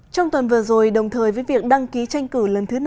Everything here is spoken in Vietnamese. trong tuần vừa rồi đồng thời với việc đăng ký tranh cử lần thứ năm